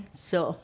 そう。